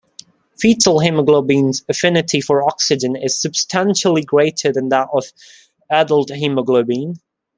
Fetal hemoglobin's affinity for oxygen is substantially greater than that of adult hemoglobin.